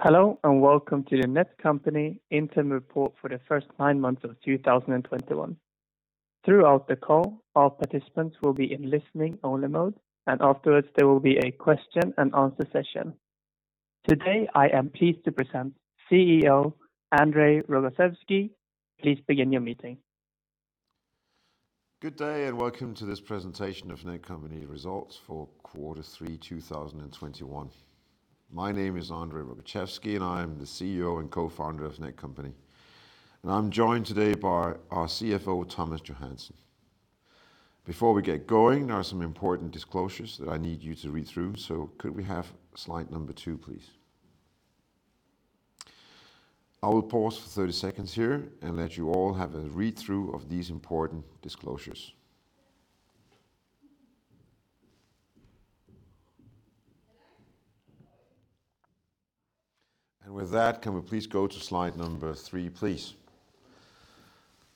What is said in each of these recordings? Hello and welcome to the Netcompany interim report for the first nine months of 2021. Throughout the call, all participants will be in listening only mode, and afterwards there will be a question and answer session. Today, I am pleased to present CEO André Rogaczewski. Please begin your meeting. Good day and welcome to this presentation of Netcompany results for quarter 3 2021. My name is André Rogaczewski, and I am the CEO and Co-Founder of Netcompany. I'm joined today by our CFO, Thomas Johansen. Before we get going, there are some important disclosures that I need you to read through. Could we have slide number 2, please? I will pause for 30 seconds here and let you all have a read through of these important disclosures. With that, can we please go to slide number 3, please?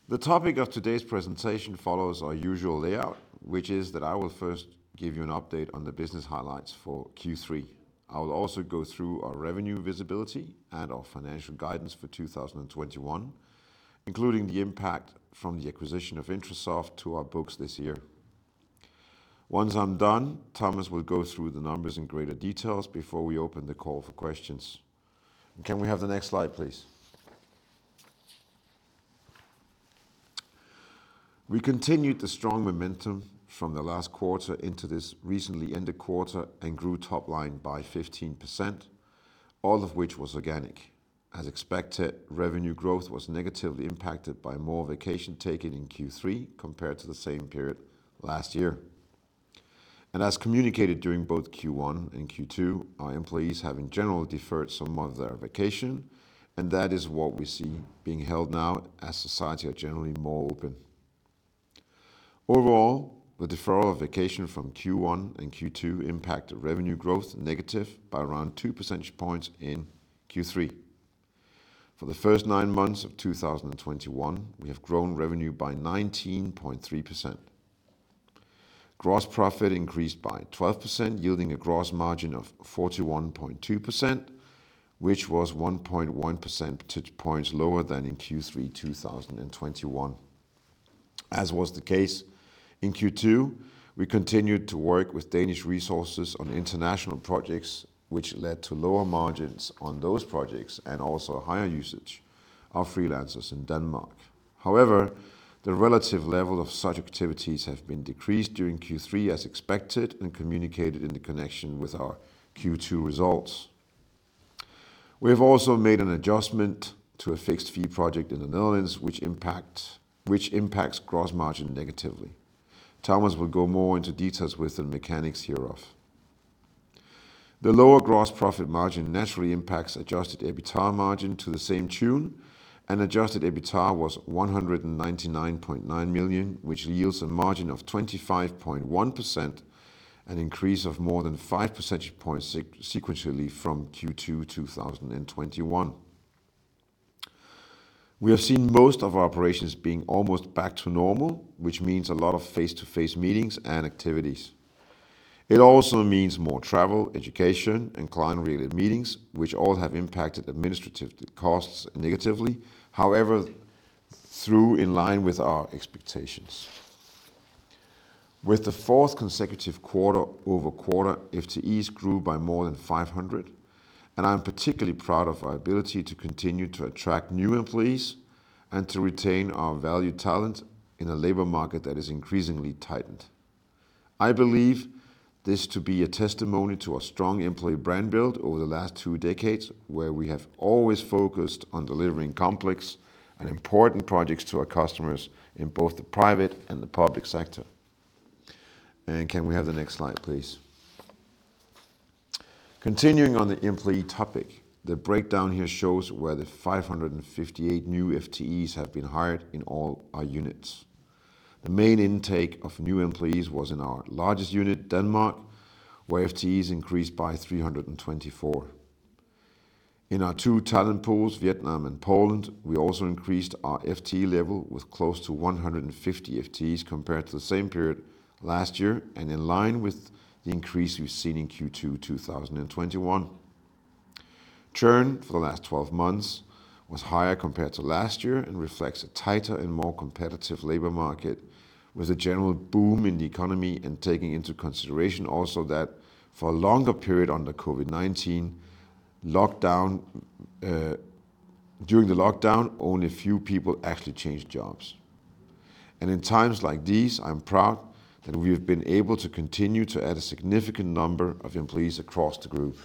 The topic of today's presentation follows our usual layout, which is that I will first give you an update on the business highlights for Q3. I will also go through our revenue visibility and our financial guidance for 2021, including the impact from the acquisition of Intrasoft to our books this year. Once I'm done, Thomas will go through the numbers in greater details before we open the call for questions. Can we have the next slide, please? We continued the strong momentum from the last quarter into this recently ended quarter and grew top line by 15%, all of which was organic. As expected, revenue growth was negatively impacted by more vacation taken in Q3 compared to the same period last year. As communicated during both Q1 and Q2, our employees have in general deferred some of their vacation, and that is what we see being held now as society are generally more open. Overall, the deferral of vacation from Q1 and Q2 impacted revenue growth negative by around 2 percentage points in Q3. For the first nine months of 2021, we have grown revenue by 19.3%. Gross profit increased by 12%, yielding a gross margin of 41.2%, which was 1.1 percentage points lower than in Q3 2021. As was the case in Q2, we continued to work with Danish resources on international projects, which led to lower margins on those projects and also higher usage of freelancers in Denmark. However, the relative level of such activities have been decreased during Q3 as expected and communicated in the connection with our Q2 results. We have also made an adjustment to a fixed-fee project in the Netherlands, which impacts gross margin negatively. Thomas will go more into details with the mechanics hereof. The lower gross profit margin naturally impacts adjusted EBITA margin to the same tune, and adjusted EBITA was 199.9 million, which yields a margin of 25.1%, an increase of more than 5 percentage points sequentially from Q2 2021. We have seen most of our operations being almost back to normal, which means a lot of face-to-face meetings and activities. It also means more travel, education, and client-related meetings, which all have impacted administrative costs negatively, however, though in line with our expectations. With the fourth consecutive quarter-over-quarter, FTEs grew by more than 500, and I am particularly proud of our ability to continue to attract new employees and to retain our valued talent in a labor market that is increasingly tightened. I believe this to be a testimony to our strong employee brand build over the last two decades, where we have always focused on delivering complex and important projects to our customers in both the private and the public sector. Can we have the next slide, please? Continuing on the employee topic, the breakdown here shows where the 558 new FTEs have been hired in all our units. The main intake of new employees was in our largest unit, Denmark, where FTEs increased by 324. In our two talent pools, Vietnam and Poland, we also increased our FTE level with close to 150 FTEs compared to the same period last year and in line with the increase we've seen in Q2 2021. Churn for the last 12 months was higher compared to last year and reflects a tighter and more competitive labor market with a general boom in the economy and taking into consideration also that for a longer period under COVID-19 lockdown, during the lockdown, only few people actually changed jobs. In times like these, I'm proud that we have been able to continue to add a significant number of employees across the group.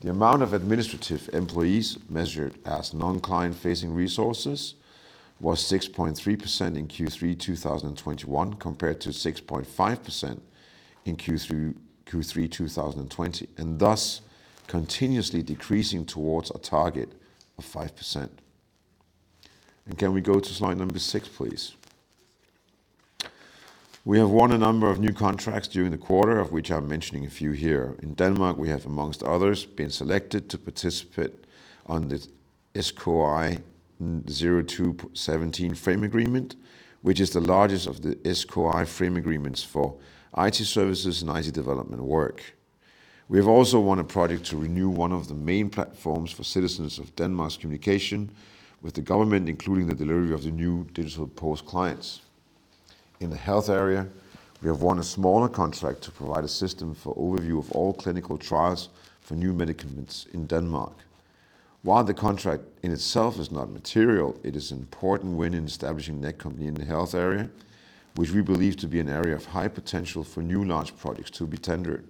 The amount of administrative employees measured as non-client-facing resources was 6.3% in Q3 2021 compared to 6.5% in Q3 2020, and thus continuously decreasing towards a target of 5%. Can we go to slide 6, please? We have won a number of new contracts during the quarter, of which I'm mentioning a few here. In Denmark, we have, amongst others, been selected to participate on the SKI 02.17 frame agreement, which is the largest of the SKI frame agreements for IT services and IT development work. We have also won a project to renew one of the main platforms for citizens of Denmark's communication with the government, including the delivery of the new digital post clients. In the health area, we have won a smaller contract to provide a system for overview of all clinical trials for new medicaments in Denmark. While the contract in itself is not material, it is an important win in establishing Netcompany in the health area, which we believe to be an area of high potential for new large projects to be tendered.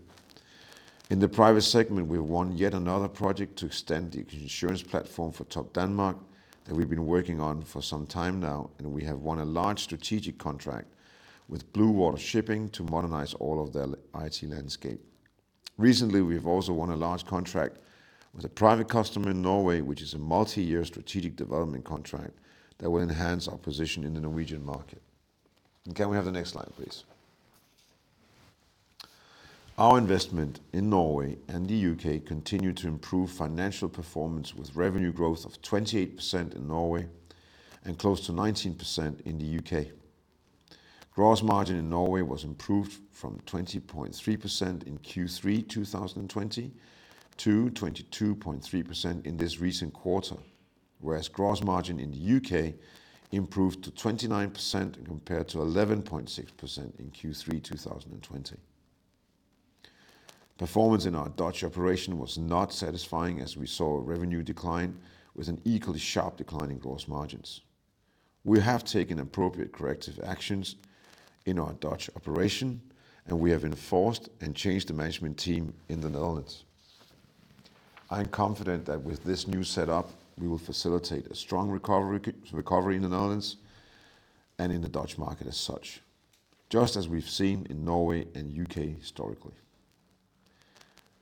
In the private segment, we have won yet another project to extend the insurance platform for Topdanmark that we've been working on for some time now, and we have won a large strategic contract with Blue Water Shipping to modernize all of their IT landscape. Recently, we have also won a large contract with a private customer in Norway, which is a multi-year strategic development contract that will enhance our position in the Norwegian market. Can we have the next slide, please? Our investment in Norway and the U.K. continue to improve financial performance with revenue growth of 28% in Norway and close to 19% in the U.K. Gross margin in Norway was improved from 20.3% in Q3 2020 to 22.3% in this recent quarter, whereas gross margin in the U.K. improved to 29% compared to 11.6% in Q3 2020. Performance in our Dutch operation was not satisfying as we saw a revenue decline with an equally sharp decline in gross margins. We have taken appropriate corrective actions in our Dutch operation, and we have enforced and changed the management team in the Netherlands. I am confident that with this new setup, we will facilitate a strong recovery in the Netherlands and in the Dutch market as such, just as we've seen in Norway and U.K. historically.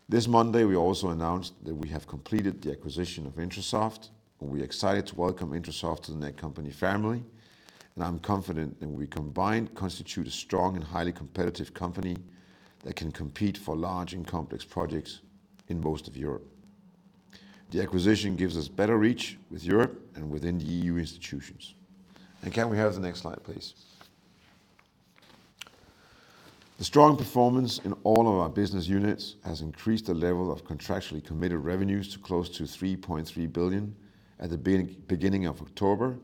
This Monday, we also announced that we have completed the acquisition of Intrasoft, and we're excited to welcome Intrasoft to the Netcompany family, and I'm confident that we combined constitute a strong and highly competitive company that can compete for large and complex projects in most of Europe. The acquisition gives us better reach with Europe and within the EU institutions. Can we have the next slide, please? The strong performance in all of our business units has increased the level of contractually committed revenues to close to 3.3 billion at the beginning of October,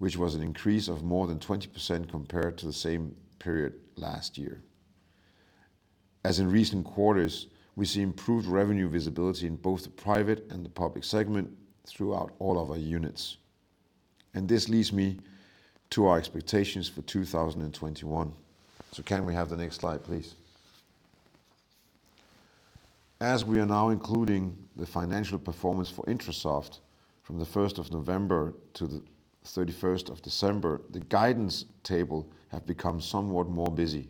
which was an increase of more than 20% compared to the same period last year. As in recent quarters, we see improved revenue visibility in both the private and the public segment throughout all of our units. This leads me to our expectations for 2021. Can we have the next slide, please? As we are now including the financial performance for Intrasoft from the 1st of November to 31st of December, the guidance table have become somewhat more busy.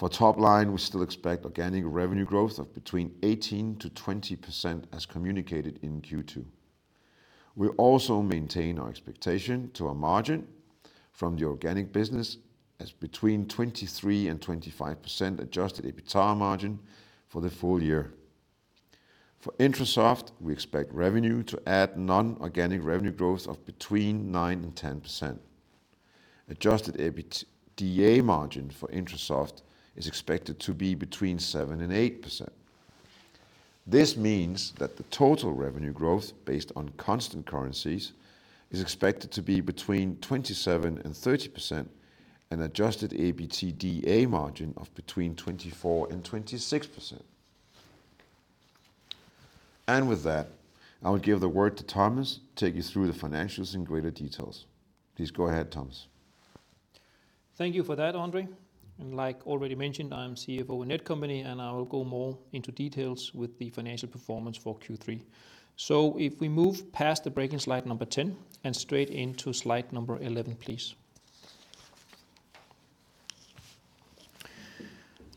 For top line, we still expect organic revenue growth of between 18%-20% as communicated in Q2. We also maintain our expectation to our margin from the organic business as between 23% and 25% adjusted EBITA margin for the full year. For Intrasoft, we expect revenue to add non-organic revenue growth of between 9% and 10%. Adjusted EBITDA margin for Intrasoft is expected to be between 7% and 8%. This means that the total revenue growth based on constant currencies is expected to be between 27% and 30% and adjusted EBITDA margin of between 24% and 26%. With that, I will give the word to Thomas to take you through the financials in greater details. Please go ahead, Thomas. Thank you for that, André. Like already mentioned, I'm CFO of Netcompany, and I will go more into details with the financial performance for Q3. If we move past the bridge slide 10 and straight into slide 11, please.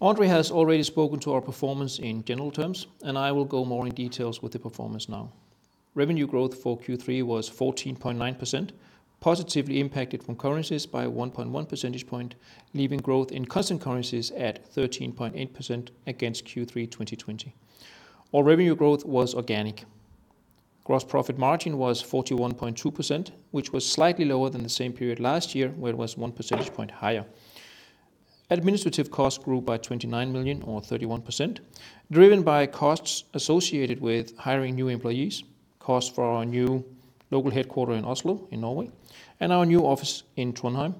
André has already spoken to our performance in general terms, and I will go more in details with the performance now. Revenue growth for Q3 was 14.9%, positively impacted from currencies by 1.1 percentage points, leaving growth in constant currencies at 13.8% against Q3 2020. All revenue growth was organic. Gross profit margin was 41.2%, which was slightly lower than the same period last year, where it was 1 percentage point higher. Administrative costs grew by 29 million or 31%, driven by costs associated with hiring new employees, costs for our new local headquarters in Oslo in Norway, and our new office in Trondheim,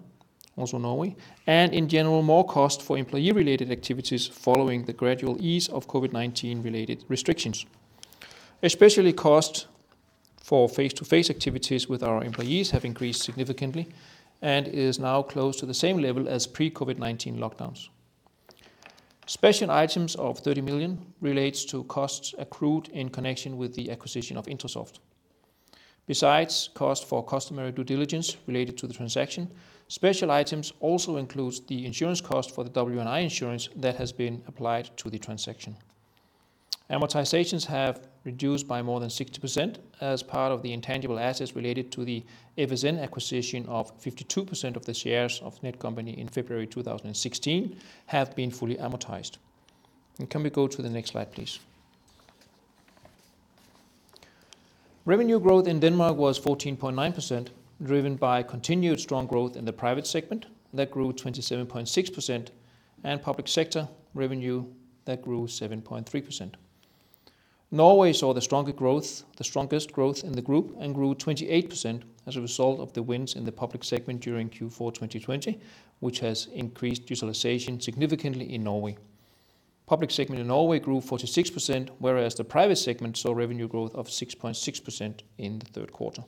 also Norway, and in general, more cost for employee-related activities following the gradual ease of COVID-19 related restrictions. Especially cost for face-to-face activities with our employees have increased significantly and is now close to the same level as pre-COVID-19 lockdowns. Special items of 30 million relates to costs accrued in connection with the acquisition of Intrasoft. Besides cost for customary due diligence related to the transaction, special items also includes the insurance cost for the W&I insurance that has been applied to the transaction. Amortizations have reduced by more than 60% as part of the intangible assets related to the FSN acquisition of 52% of the shares of Netcompany in February 2016 have been fully amortized. Can we go to the next slide, please? Revenue growth in Denmark was 14.9%, driven by continued strong growth in the private segment that grew 27.6%, and public sector revenue that grew 7.3%. Norway saw the stronger growth, the strongest growth in the group and grew 28% as a result of the wins in the public segment during Q4 2020, which has increased utilization significantly in Norway. Public segment in Norway grew 46%, whereas the private segment saw revenue growth of 6.6% in the third quarter.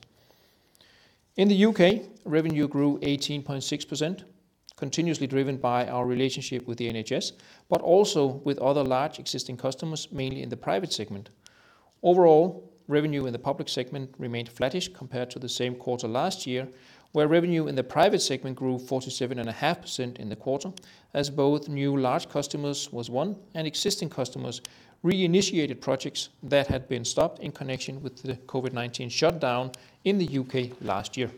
In the U.K., revenue grew 18.6%, continuously driven by our relationship with the NHS, but also with other large existing customers, mainly in the private segment. Overall, revenue in the public segment remained flattish compared to the same quarter last year, where revenue in the private segment grew 47.5% in the quarter, as both new large customers was won and existing customers reinitiated projects that had been stopped in connection with the COVID-19 shutdown in the U.K. last year.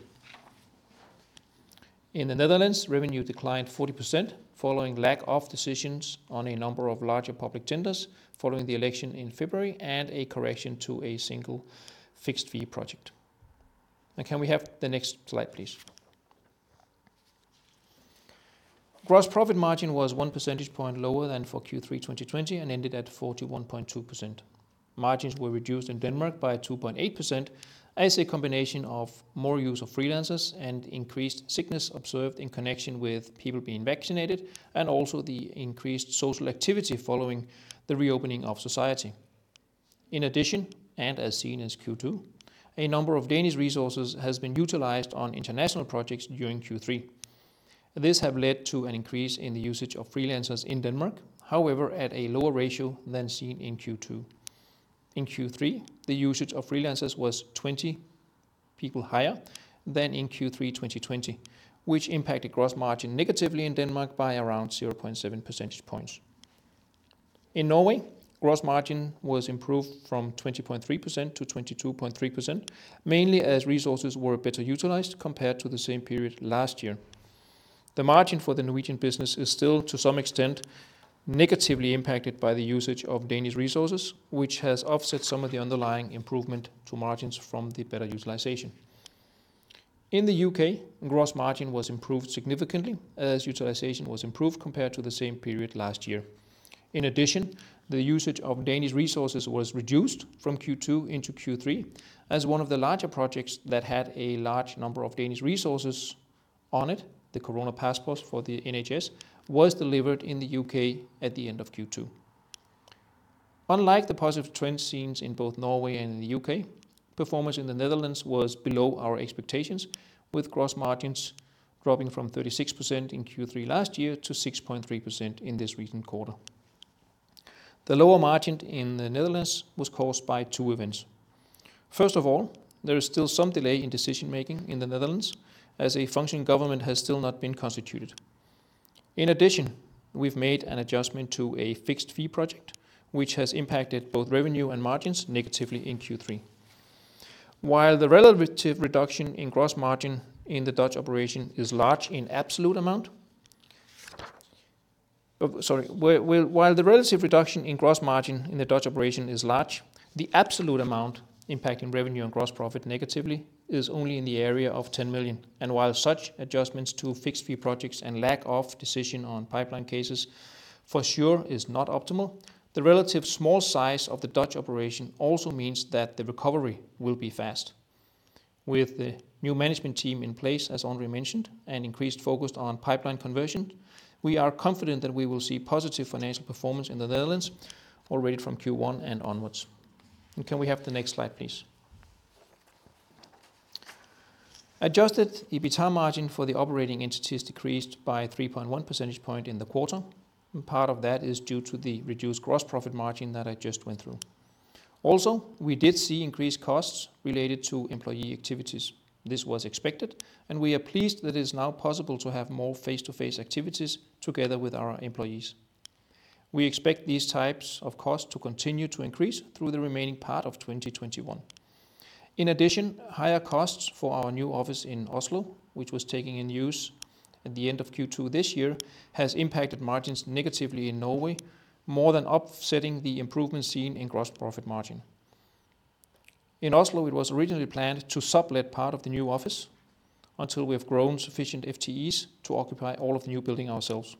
In the Netherlands, revenue declined 40% following lack of decisions on a number of larger public tenders following the election in February and a correction to a single fixed fee project. Can we have the next slide, please? Gross profit margin was one percentage point lower than for Q3 2020 and ended at 41.2%. Margins were reduced in Denmark by 2.8% as a combination of more use of freelancers and increased sickness observed in connection with people being vaccinated, and also the increased social activity following the reopening of society. In addition, and as seen in Q2, a number of Danish resources has been utilized on international projects during Q3. These have led to an increase in the usage of freelancers in Denmark, however, at a lower ratio than seen in Q2. In Q3, the usage of freelancers was 20 people higher than in Q3 2020, which impacted gross margin negatively in Denmark by around 0.7 percentage points. In Norway, gross margin was improved from 20.3% to 22.3%, mainly as resources were better utilized compared to the same period last year. The margin for the Norwegian business is still to some extent negatively impacted by the usage of Danish resources, which has offset some of the underlying improvement to margins from the better utilization. In the U.K., gross margin was improved significantly as utilization was improved compared to the same period last year. In addition, the usage of Danish resources was reduced from Q2 into Q3 as one of the larger projects that had a large number of Danish resources on it, the Corona passport for the NHS, was delivered in the U.K. at the end of Q2. Unlike the positive trend seen in both Norway and the U.K., performance in the Netherlands was below our expectations, with gross margins dropping from 36% in Q3 last year to 6.3% in this recent quarter. The lower margin in the Netherlands was caused by two events. First of all, there is still some delay in decision-making in the Netherlands as a functioning government has still not been constituted. In addition, we've made an adjustment to a fixed fee project, which has impacted both revenue and margins negatively in Q3. While the relative reduction in gross margin in the Dutch operation is large, the absolute amount impacting revenue and gross profit negatively is only in the area of 10 million. While such adjustments to fixed fee projects and lack of decision on pipeline cases for sure is not optimal, the relatively small size of the Dutch operation also means that the recovery will be fast. With the new management team in place, as André mentioned, and increased focus on pipeline conversion, we are confident that we will see positive financial performance in the Netherlands already from Q1 and onwards. Can we have the next slide, please? Adjusted EBITA margin for the operating entities decreased by 3.1 percentage points in the quarter, and part of that is due to the reduced gross profit margin that I just went through. Also, we did see increased costs related to employee activities. This was expected, and we are pleased that it is now possible to have more face-to-face activities together with our employees. We expect these types of costs to continue to increase through the remaining part of 2021. In addition, higher costs for our new office in Oslo, which was taken in use at the end of Q2 this year, has impacted margins negatively in Norway, more than offsetting the improvement seen in gross profit margin. In Oslo, it was originally planned to sublet part of the new office until we have grown sufficient FTEs to occupy all of the new building ourselves.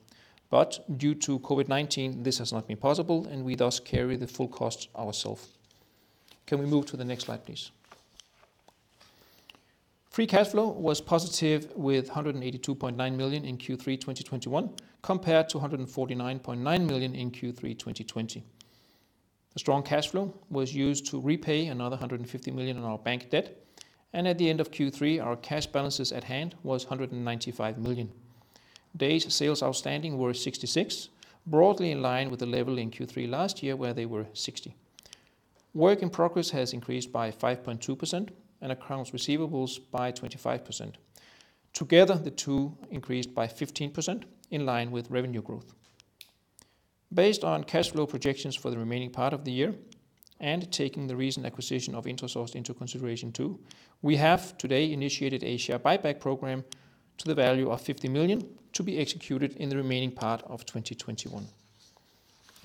Due to COVID-19, this has not been possible, and we thus carry the full cost ourselves. Can we move to the next slide, please? Free cash flow was positive with 182.9 million in Q3 2021, compared to 149.9 million in Q3 2020. The strong cash flow was used to repay another 150 million on our bank debt, and at the end of Q3, our cash balances at hand was 195 million. Days sales outstanding were 66, broadly in line with the level in Q3 last year where they were 60. Work in progress has increased by 5.2% and accounts receivables by 25%. Together, the two increased by 15% in line with revenue growth. Based on cash flow projections for the remaining part of the year. Taking the recent acquisition of Intrasoft into consideration too, we have today initiated a share buyback program to the value of 50 million to be executed in the remaining part of 2021.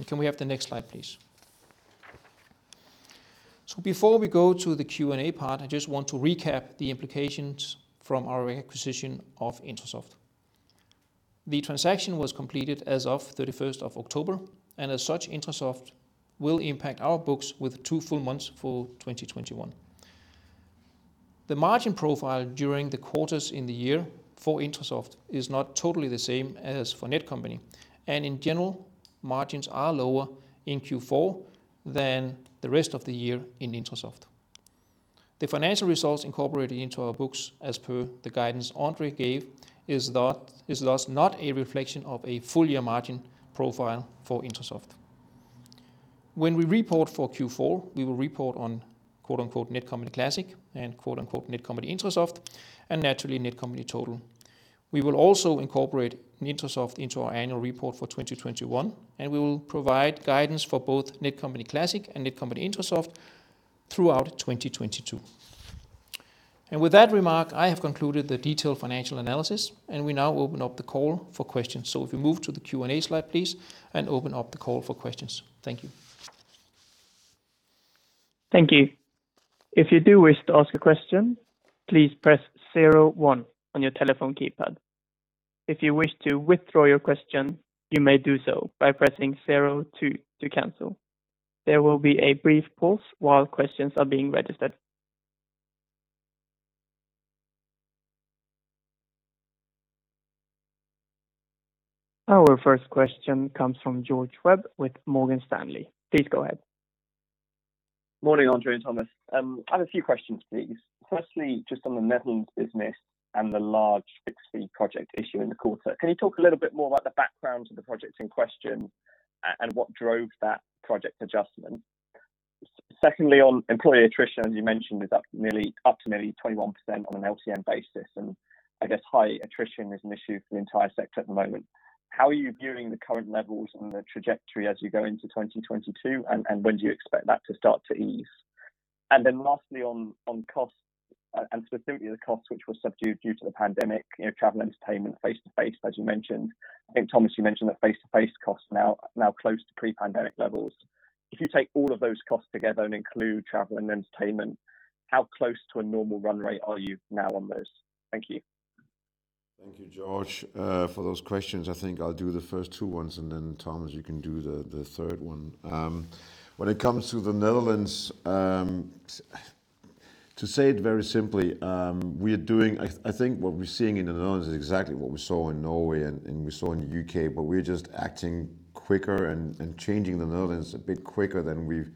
Can we have the next slide, please? Before we go to the Q&A part, I just want to recap the implications from our acquisition of Intrasoft. The transaction was completed as of 31st of October, and as such, Intrasoft will impact our books with two full months for 2021. The margin profile during the quarters in the year for Intrasoft is not totally the same as for Netcompany, and in general, margins are lower in Q4 than the rest of the year in Intrasoft. The financial results incorporated into our books as per the guidance André gave is thus not a reflection of a full year margin profile for Intrasoft. When we report for Q4, we will report on quarter for Netcompany Classic and quarter for Netcompany-Intrasoft, and naturally Netcompany total. We will also incorporate Intrasoft into our annual report for 2021, and we will provide guidance for both Netcompany Classic and Netcompany-Intrasoft throughout 2022. With that remark, I have concluded the detailed financial analysis, and we now open up the call for questions. If we move to the Q&A slide, please, and open up the call for questions. Thank you. Thank you. If you do wish to ask a question, please press zero one on your telephone keypad. If you wish to withdraw your question, you may do so by pressing zero two to cancel. There will be a brief pause while questions are being registered. Our first question comes from George Webb with Morgan Stanley. Please go ahead. Morning, André and Thomas. I have a few questions, please. Firstly, just on the Netherlands business and the large fixed fee project issue in the quarter. Can you talk a little bit more about the background of the projects in question and what drove that project adjustment? Secondly, on employee attrition, as you mentioned, is up to nearly 21% on an LTM basis, and I guess high attrition is an issue for the entire sector at the moment. How are you viewing the current levels and the trajectory as you go into 2022, and when do you expect that to start to ease? Lastly on cost, and specifically the cost which was subdued due to the pandemic, you know, travel, entertainment, face-to-face, as you mentioned. I think, Thomas, you mentioned that face-to-face costs now close to pre-pandemic levels. If you take all of those costs together and include travel and entertainment, how close to a normal run rate are you now on those? Thank you. Thank you, George, for those questions. I think I'll do the first two ones, and then Thomas, you can do the third one. When it comes to the Netherlands, to say it very simply, I think what we're seeing in the Netherlands is exactly what we saw in Norway and we saw in the U.K., but we're just acting quicker and changing the Netherlands a bit quicker than we've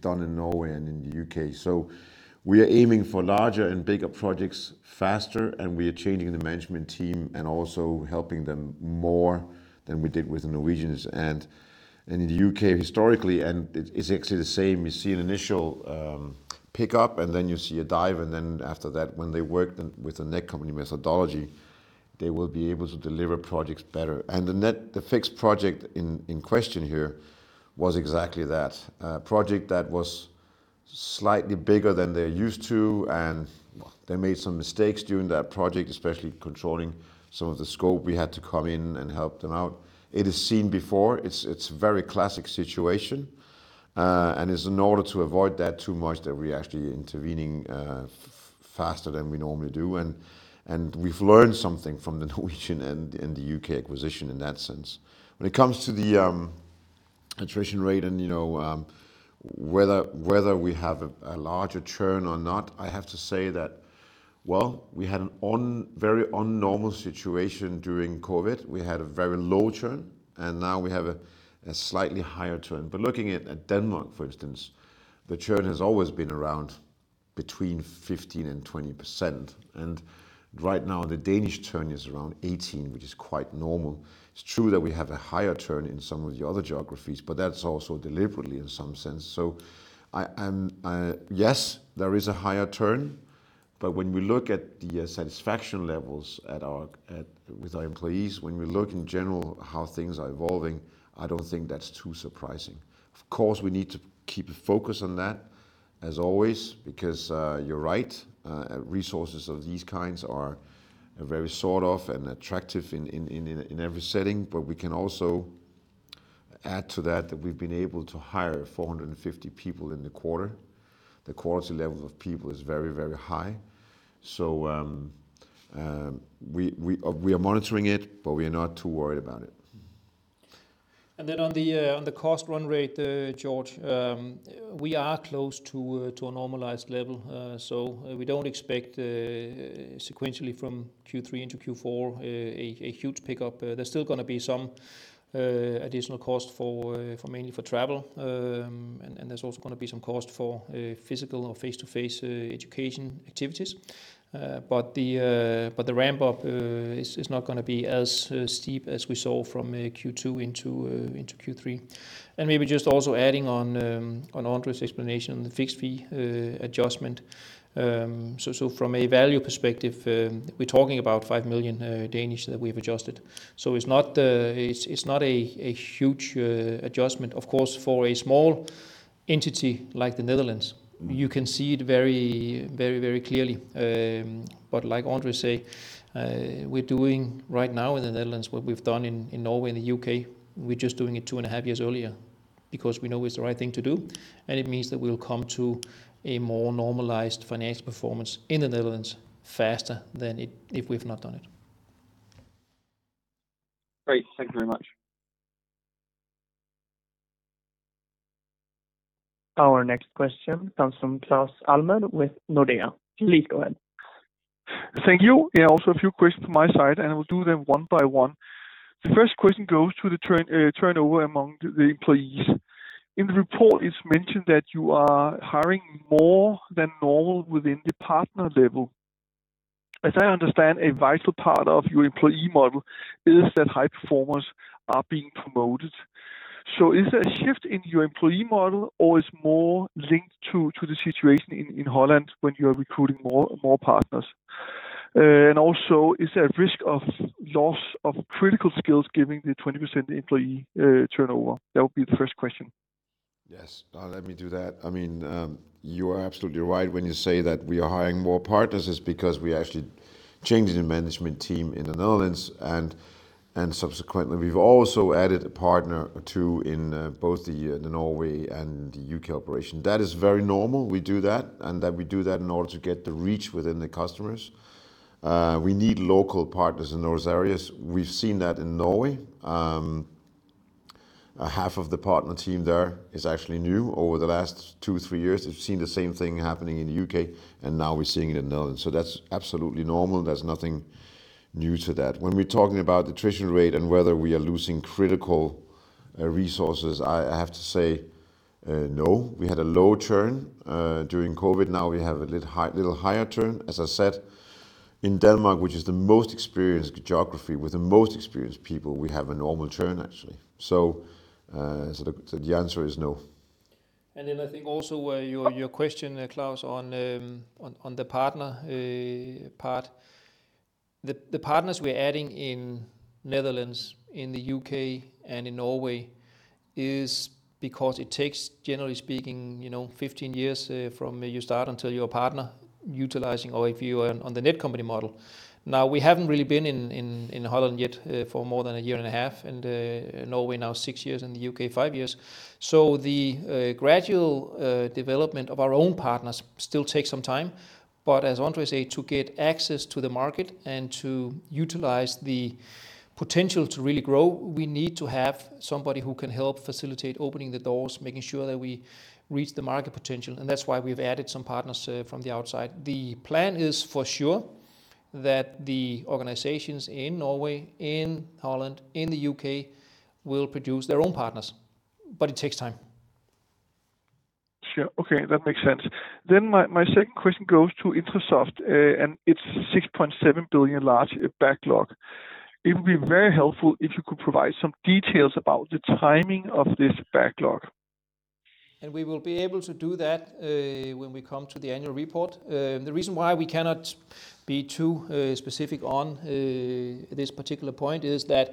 done in Norway and in the U.K. We are aiming for larger and bigger projects faster, and we are changing the management team and also helping them more than we did with the Norwegians and in the U.K. historically. It's actually the same. You see an initial pick up, and then you see a dive, and then after that, when they work then with the Netcompany methodology, they will be able to deliver projects better. The next, the fixed project in question here was exactly that. A project that was slightly bigger than they're used to, and they made some mistakes during that project, especially controlling some of the scope. We had to come in and help them out. It is seen before. It's very classic situation, and it's in order to avoid that too much that we're actually intervening faster than we normally do. We've learned something from the Norwegian and the U.K. acquisition in that sense. When it comes to the attrition rate and, you know, whether we have a larger churn or not, I have to say that, well, we had a very abnormal situation during COVID. We had a very low churn, and now we have a slightly higher churn. Looking at Denmark, for instance, the churn has always been around between 15% and 20%. Right now the Danish churn is around 18%, which is quite normal. It's true that we have a higher churn in some of the other geographies, but that's also deliberately in some sense. Yes, there is a higher churn, but when we look at the satisfaction levels with our employees, when we look in general how things are evolving, I don't think that's too surprising. Of course, we need to keep a focus on that as always, because you're right, resources of these kinds are very sought after and attractive in every setting. We can also add to that we've been able to hire 450 people in the quarter. The quality level of people is very, very high. We are monitoring it, but we are not too worried about it. On the cost run rate, George, we are close to a normalized level. We don't expect sequentially from Q3 into Q4 a huge pickup. There's still gonna be some additional cost mainly for travel. And there's also gonna be some cost for physical or face-to-face education activities. But the ramp up is not gonna be as steep as we saw from Q2 into Q3. Maybe just also adding on André's explanation, the fixed fee adjustment. From a value perspective, we're talking about 5 million that we've adjusted. It's not a huge adjustment. Of course, for a small entity like the Netherlands. You can see it very, very, very clearly. Like André say, we're doing right now in the Netherlands what we've done in Norway and the U.K. We're just doing it two and a half years earlier. Because we know it's the right thing to do, and it means that we'll come to a more normalized financial performance in the Netherlands faster than if we've not done it. Great. Thank you very much. Our next question comes from Claus Almer with Nordea. Please go ahead. Thank you. Yeah, also a few questions from my side, and I will do them one by one. The first question goes to the turnover among the employees. In the report, it's mentioned that you are hiring more than normal within the partner level. As I understand, a vital part of your employee model is that high performers are being promoted. Is there a shift in your employee model or is more linked to the situation in Holland when you are recruiting more partners? And also is there a risk of loss of critical skills given the 20% employee turnover? That would be the first question. Yes. Let me do that. I mean, you are absolutely right when you say that we are hiring more partners. It's because we are actually changing the management team in the Netherlands and subsequently, we've also added a partner or two in both the Norway and the U.K. operation. That is very normal. We do that, and that we do that in order to get the reach within the customers. We need local partners in those areas. We've seen that in Norway. Half of the partner team there is actually new. Over the last two, three years, we've seen the same thing happening in the U.K., and now we're seeing it in the Netherlands. That's absolutely normal. There's nothing new to that. When we're talking about attrition rate and whether we are losing critical resources, I have to say no. We had a low churn during COVID. Now we have a little high, little higher churn. As I said, in Denmark, which is the most experienced geography with the most experienced people, we have a normal churn actually. The answer is no. I think also your question, Claus, on the partner part. The partners we're adding in Netherlands, in the U.K., and in Norway is because it takes, generally speaking, you know, 15 years from you start until you're a partner utilizing or if you are on the Netcompany model. Now, we haven't really been in Holland yet for more than a year and a half, and Norway now 6 years, and the U.K. 5 years. The gradual development of our own partners still takes some time. As André say, to get access to the market and to utilize the potential to really grow, we need to have somebody who can help facilitate opening the doors, making sure that we reach the market potential. That's why we've added some partners from the outside. The plan is for sure that the organizations in Norway, in Holland, in the U.K. will produce their own partners, but it takes time. Sure. Okay. That makes sense. My second question goes to Intrasoft and its 6.7 billion large backlog. It would be very helpful if you could provide some details about the timing of this backlog. We will be able to do that when we come to the annual report. The reason why we cannot be too specific on this particular point is that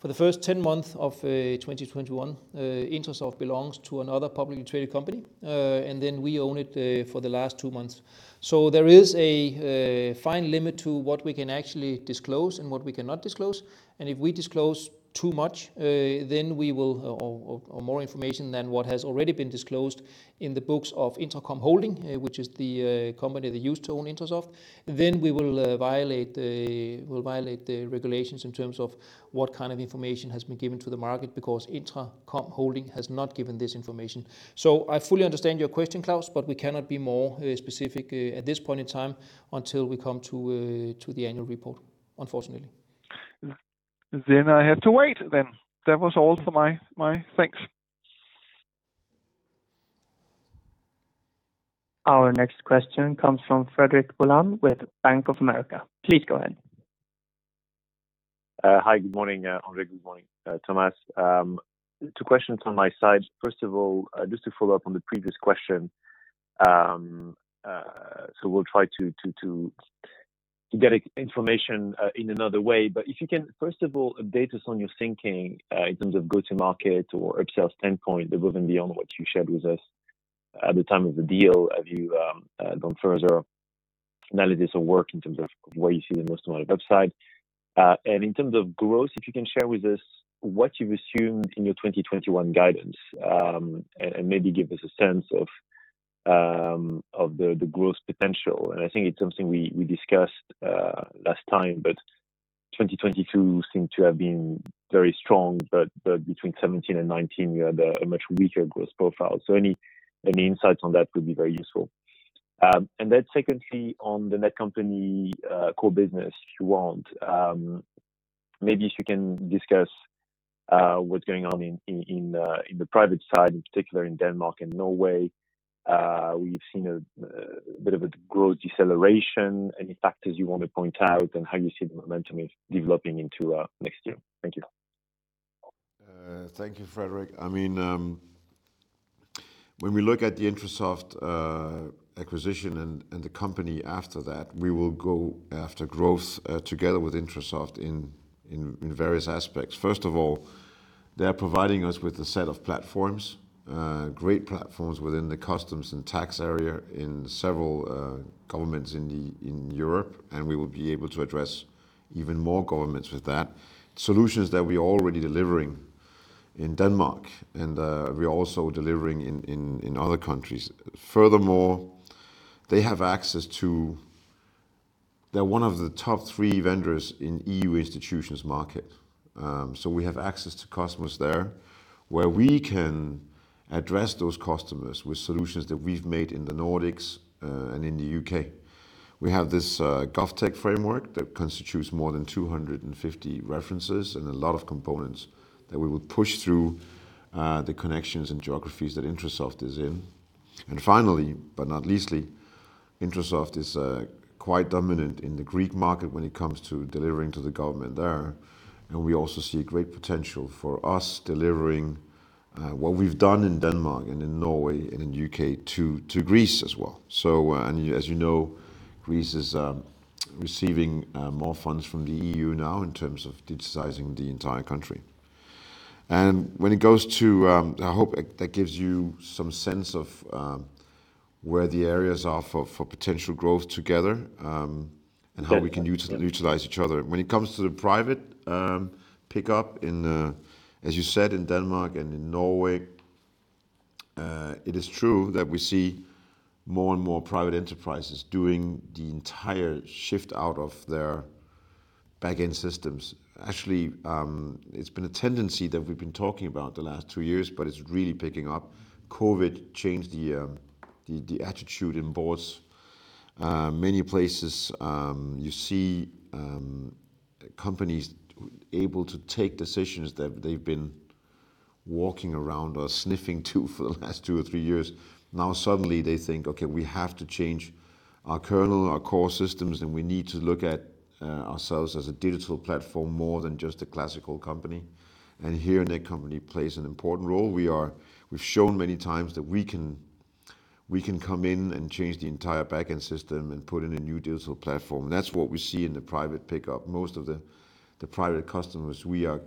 for the first 10 months of 2021, Intrasoft belongs to another publicly traded company, and then we own it for the last two months. There is a fine limit to what we can actually disclose and what we cannot disclose. If we disclose too much or more information than what has already been disclosed in the books of Intracom Holdings, which is the company they used to own Intrasoft, then we will violate the regulations in terms of what kind of information has been given to the market because Intracom Holdings has not given this information. I fully understand your question, Claus, but we cannot be more specific at this point in time until we come to the annual report, unfortunately. I have to wait then. That was all for me. Bye. Thanks. Our next question comes from Frederic Boulan with Bank of America. Please go ahead. Hi. Good morning, André. Good morning, Thomas. Two questions on my side. First of all, just to follow up on the previous question, so we'll try to get information in another way. If you can, first of all, update us on your thinking in terms of go-to-market or upsell standpoint that goes beyond what you shared with us at the time of the deal. Have you gone further analysis of work in terms of where you see the most amount of upside. In terms of growth, if you can share with us what you've assumed in your 2021 guidance, and maybe give us a sense of the growth potential. I think it's something we discussed last time, but 2022 seemed to have been very strong, but between 2017 and 2019 we had a much weaker growth profile. Any insights on that would be very useful. Then secondly, on the Netcompany core business, if you want, maybe if you can discuss what's going on in the private side, in particular in Denmark and Norway. We've seen a bit of a growth deceleration. Any factors you want to point out and how you see the momentum is developing into next year? Thank you. Thank you, Frederic. I mean, when we look at the Intrasoft acquisition and the company after that, we will go after growth together with Intrasoft in various aspects. First of all, they are providing us with a set of platforms, great platforms within the customs and tax area in several governments in Europe, and we will be able to address even more governments with that. Solutions that we're already delivering in Denmark, and we're also delivering in other countries. Furthermore, they have access to. They are one of the top three vendors in EU institutions market. So we have access to customers there where we can address those customers with solutions that we've made in the Nordics and in the UK. We have this GovTech framework that constitutes more than 250 references and a lot of components that we will push through the connections and geographies that Intrasoft is in. And finally but not leastly, Intrasoft is quite dominant in the Greek market when it comes to delivering to the government there. We also see great potential for us delivering what we've done in Denmark and in Norway and in the U.K. to Greece as well. As you know, Greece is receiving more funds from the EU now in terms of digitizing the entire country. I hope that gives you some sense of where the areas are for potential growth together and how we can utilize each other. When it comes to the private pickup in, as you said, in Denmark and in Norway, it is true that we see more and more private enterprises doing the entire shift out of their back-end systems. Actually, it's been a tendency that we've been talking about the last two years, but it's really picking up. COVID changed the attitude in boards. Many places, you see, companies able to take decisions that they've been walking around or sniffing to for the last two or three years. Now, suddenly they think, "Okay, we have to change our kernel, our core systems, and we need to look at ourselves as a digital platform more than just a classical company." Here Netcompany plays an important role. We've shown many times that we can come in and change the entire back-end system and put in a new digital platform. That's what we see in the private pickup. Most of the private customers we are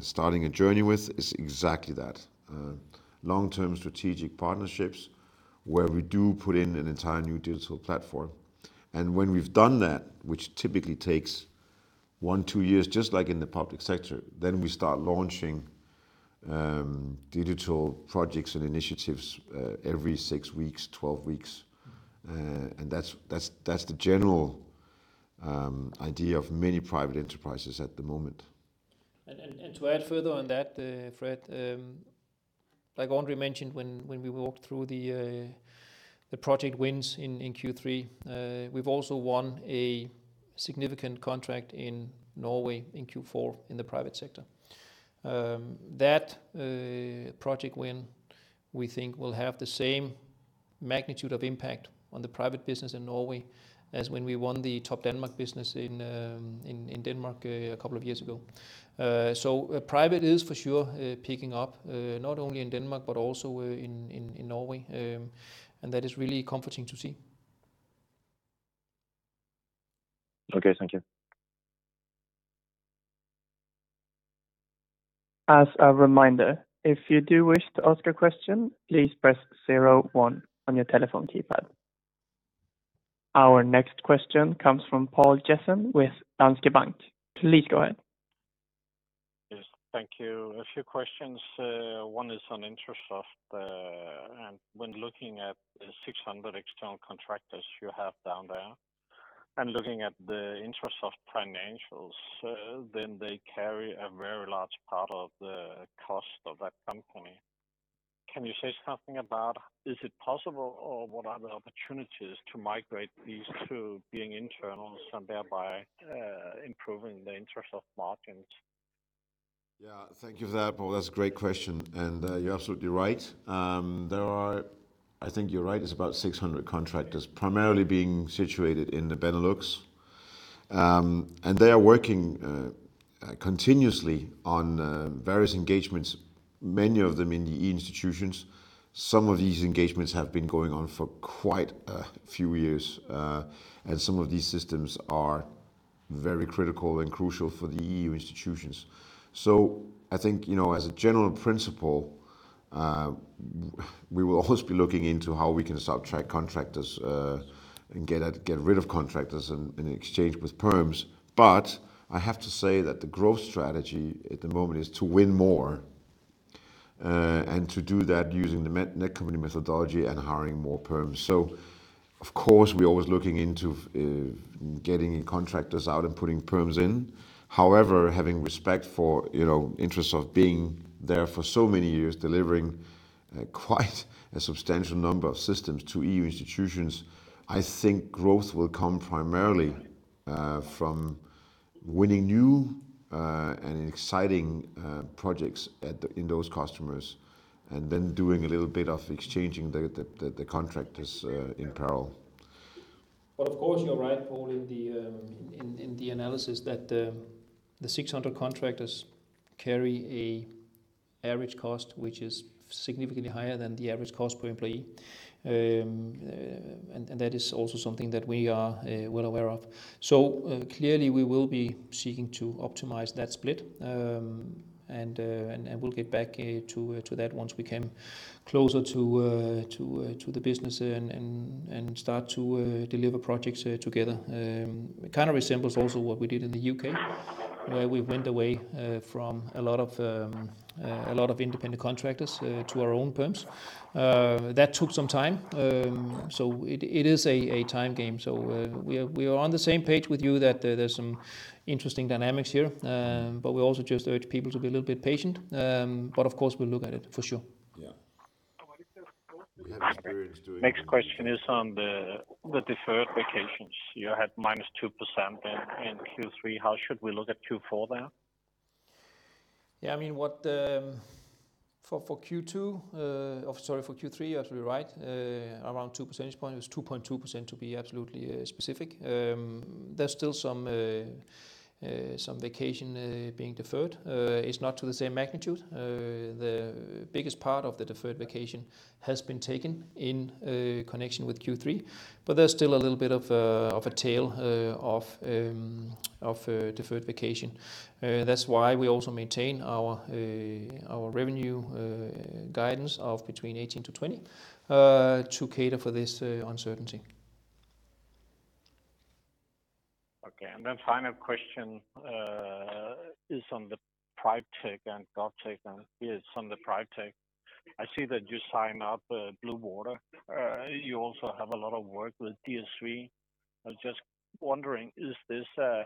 starting a journey with is exactly that. Long-term strategic partnerships where we do put in an entire new digital platform. When we've done that, which typically takes one, two years, just like in the public sector, then we start launching digital projects and initiatives every six weeks, 12 weeks. That's the general idea of many private enterprises at the moment. To add further on that, Fred, like André mentioned when we walked through the project wins in Q3, we've also won a significant contract in Norway in Q4 in the private sector. That project win, we think will have the same magnitude of impact on the private business in Norway as when we won the Topdanmark business in Denmark a couple of years ago. Private is for sure picking up, not only in Denmark but also in Norway. That is really comforting to see. Okay. Thank you. As a reminder, if you do wish to ask a question, please press zero one on your telephone keypad. Our next question comes from Poul Jessen with Danske Bank. Please go ahead. Yes. Thank you. A few questions. One is on Intrasoft. When looking at the 600 external contractors you have down there and looking at the Intrasoft financials, then they carry a very large part of the cost of that company. Can you say something about is it possible or what are the opportunities to migrate these to being internal and thereby improving the Intrasoft margins? Yeah. Thank you for that, Poul. That's a great question, and you're absolutely right. There are... I think you're right. It's about 600 contractors primarily being situated in the Benelux. They are working continuously on various engagements, many of them in the EU institutions. Some of these engagements have been going on for quite a few years, and some of these systems are very critical and crucial for the EU institutions. I think, you know, as a general principle, we will always be looking into how we can subtract contractors and get rid of contractors in exchange with perms. I have to say that the growth strategy at the moment is to win more and to do that using the Netcompany methodology and hiring more perms. Of course, we're always looking into getting contractors out and putting perms in. However, having respect for, you know, interests of being there for so many years, delivering quite a substantial number of systems to EU institutions, I think growth will come primarily from winning new and exciting projects in those customers, and then doing a little bit of exchanging the contractors in parallel. Of course, you're right, Poul, in the analysis that the 600 contractors carry an average cost, which is significantly higher than the average cost per employee. That is also something that we are well aware of. Clearly we will be seeking to optimize that split. We'll get back to that once we come closer to the business and start to deliver projects together. It kind of resembles also what we did in the U.K., where we went away from a lot of independent contractors to our own firms. That took some time, it is a time game. We are on the same page with you that there's some interesting dynamics here. We also just urge people to be a little bit patient. Of course we'll look at it for sure. Yeah. Next question is on the deferred vacations. You had -2% in Q3. How should we look at Q4 there? Yeah, I mean, for Q3, you're actually right. Around 2 percentage points. It was 2.2%, to be absolutely specific. There's still some vacation being deferred. It's not to the same magnitude. The biggest part of the deferred vacation has been taken in connection with Q3, but there's still a little bit of a tail of deferred vacation. That's why we also maintain our revenue guidance of between 18-20 to cater for this uncertainty. Okay. Then final question is on the PrivTech and GovTech. I see that you sign up Blue Water. You also have a lot of work with DSV. I was just wondering, is this a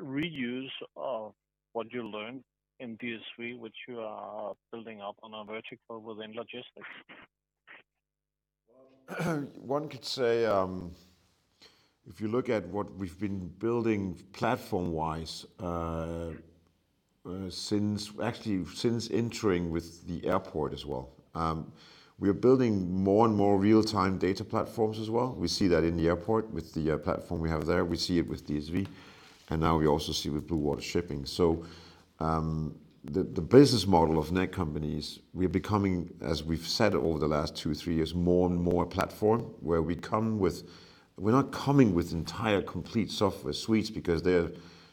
reuse of what you learned in DSV, which you are building up on a vertical within logistics? One could say, if you look at what we've been building platform-wise, since actually, since entering with the airport as well, we are building more and more real-time data platforms as well. We see that in the airport with the platform we have there. We see it with DSV, and now we also see with Blue Water Shipping. The business model of Netcompany's, we're becoming, as we've said over the last two, three years, more and more platform where we come with. We're not coming with entire complete software suites because they're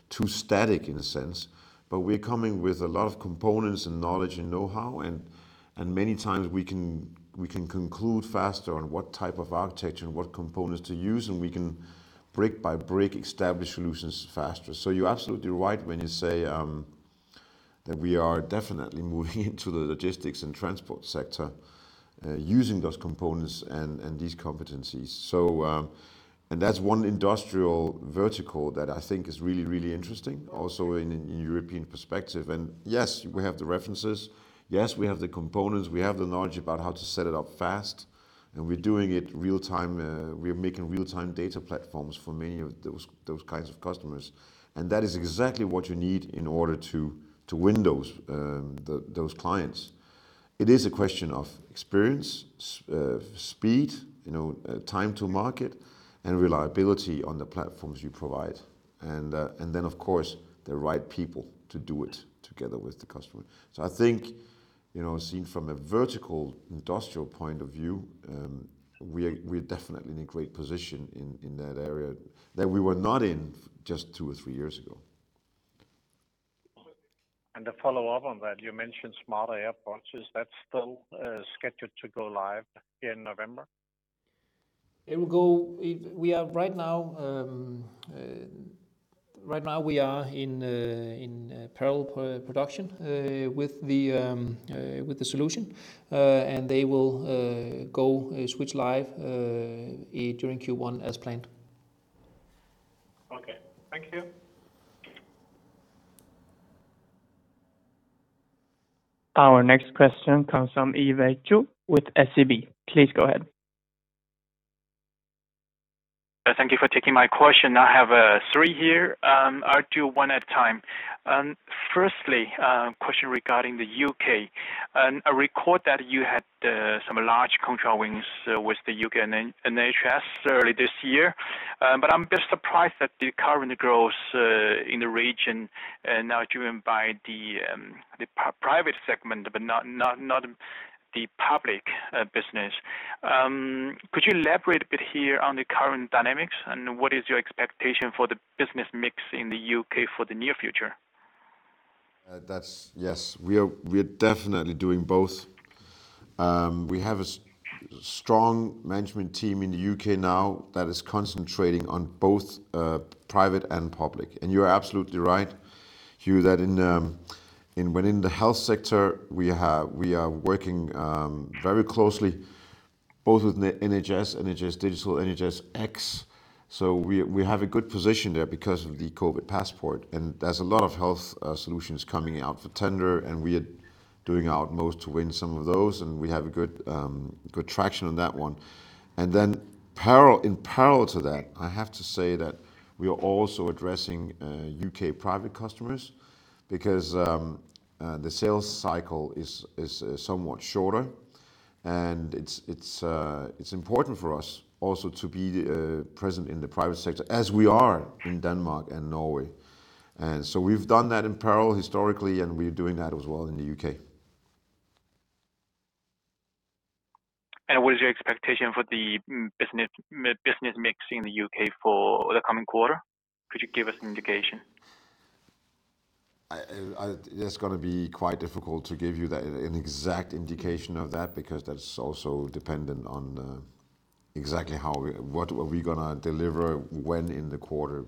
too static in a sense, but we're coming with a lot of components and knowledge and know-how, and many times we can conclude faster on what type of architecture and what components to use, and we can brick by brick establish solutions faster. You're absolutely right when you say that we are definitely moving into the logistics and transport sector, using those components and these competencies. That's one industrial vertical that I think is really interesting also in European perspective. Yes, we have the references. Yes, we have the components, we have the knowledge about how to set it up fast, and we're doing it real-time. We are making real-time data platforms for many of those kinds of customers. That is exactly what you need in order to win those clients. It is a question of experience, speed, you know, time to market and reliability on the platforms you provide. Then of course, the right people to do it together with the customer. I think, you know, seen from a vertical industrial point of view, we are definitely in a great position in that area that we were not in just two or three years ago. To follow up on that, you mentioned Smarter Airports. Is that still scheduled to go live in November? We are right now in parallel pre-production with the solution. They will go live during Q1 as planned. Okay. Thank you. Our next question comes from Yiwei Zhou with SEB. Please go ahead. Thank you for taking my question. I have three here. I'll do one at a time. Firstly, question regarding the U.K. I recall that you had some large contract wins with the U.K. and NHS early this year. I'm a bit surprised that the current growth in the region are now driven by the private segment but not the public business. Could you elaborate a bit here on the current dynamics and what is your expectation for the business mix in the U.K. for the near future? Yes, we are definitely doing both. We have a strong management team in the U.K. now that is concentrating on both, private and public. You're absolutely right, Yiwei, that within the health sector we are working very closely both with the NHS, NHS Digital, NHSX. We have a good position there because of the COVID passport. There's a lot of health solutions coming out for tender, and we are doing our utmost to win some of those, and we have a good traction on that one. In parallel to that, I have to say that we are also addressing U.K. private customers because the sales cycle is somewhat shorter. It's important for us also to be present in the private sector as we are in Denmark and Norway. We've done that in parallel historically, and we're doing that as well in the U.K. What is your expectation for the business mix in the U.K. for the coming quarter? Could you give us an indication? I. It's gonna be quite difficult to give you that, an exact indication of that, because that's also dependent on exactly what we are going to deliver when in the quarter.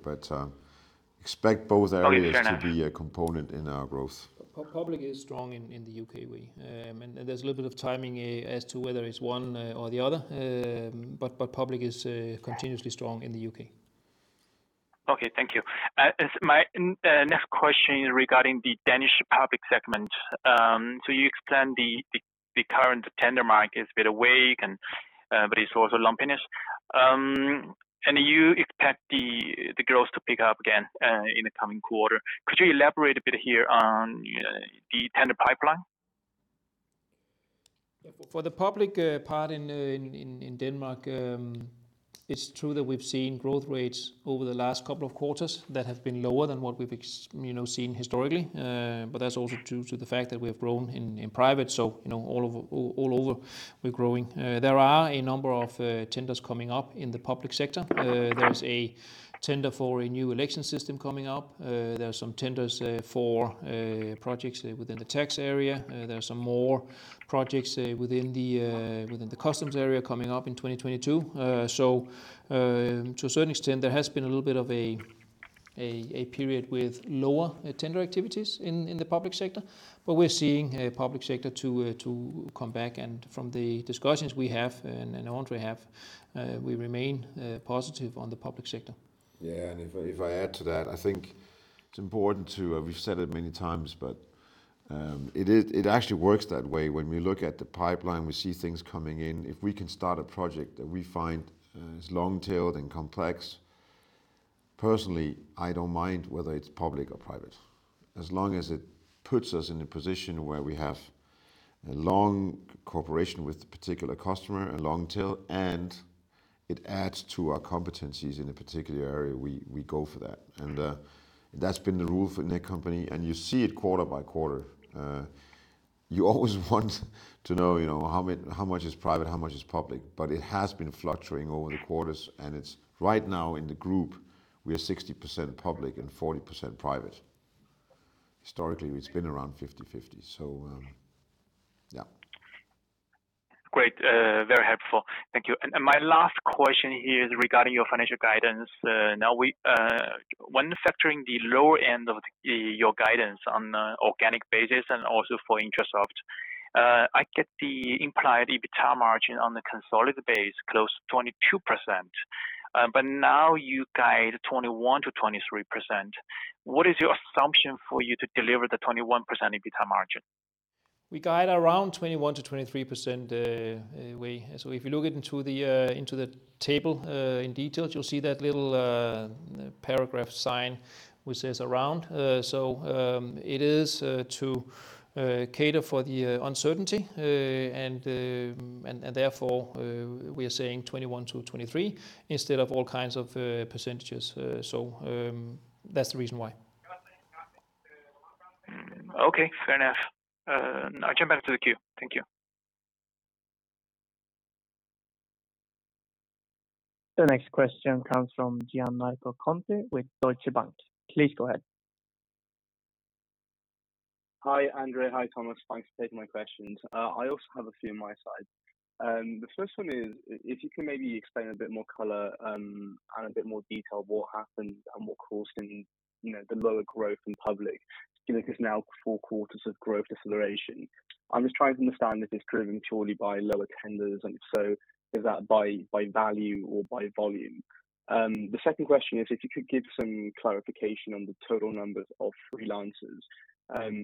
Expect both areas- Okay, fair enough. to be a component in our growth. Public is strong in the U.K., Yiwei. There's a little bit of timing as to whether it's one or the other. Public is continuously strong in the U.K. Okay. Thank you. As my next question regarding the Danish public segment. So you explained the current tender market is a bit weak and, but it's also lumpiness. You expect the growth to pick up again in the coming quarter. Could you elaborate a bit here on the tender pipeline? For the public part in Denmark, it's true that we've seen growth rates over the last couple of quarters that have been lower than what we've you know, seen historically. But that's also due to the fact that we have grown in private. You know, all over we're growing. There are a number of tenders coming up in the public sector. There is a tender for a new election system coming up. There are some tenders for projects within the tax area. There are some more projects within the customs area coming up in 2022. To a certain extent, there has been a little bit of a period with lower tender activities in the public sector. We're seeing a public sector too to come back. From the discussions we and André have, we remain positive on the public sector. Yeah. If I add to that, I think it's important. We've said it many times, but it actually works that way. When we look at the pipeline, we see things coming in. If we can start a project that we find is long-tailed and complex, personally, I don't mind whether it's public or private. As long as it puts us in a position where we have a long cooperation with the particular customer, a long tail, and it adds to our competencies in a particular area, we go for that. That's been the rule for Netcompany, and you see it quarter by quarter. You always want to know, you know, how much is private, how much is public? It has been fluctuating over the quarters, and it's right now in the group we are 60% public and 40% private. Historically, it's been around 50/50. Yeah. Great. Very helpful. Thank you. My last question is regarding your financial guidance. Now, when factoring the lower end of your guidance on organic basis and also for Intrasoft, I get the implied EBITA margin on the consolidated base close to 22%. Now you guide 21%-23%. What is your assumption for you to deliver the 21% EBITA margin? We guide around 21%-23%, Yiwei. So if you look into the table in detail, you'll see that little paragraph sign which says around. So it is to cater for the uncertainty. And therefore we are saying 21%-23% instead of all kinds of percentages. So that's the reason why. Okay, fair enough. I'll jump back to the queue. Thank you. The next question comes from Gianmarco Conti with Deutsche Bank. Please go ahead. Hi, André. Hi, Thomas. Thanks for taking my questions. I also have a few on my side. The first one is, if you can maybe explain a bit more color, and a bit more detail of what happened and what caused in, you know, the lower growth in public, given it's now four quarters of growth deceleration. I'm just trying to understand if it's driven purely by lower tenders, and if so, is that by value or by volume? The second question is if you could give some clarification on the total numbers of freelancers,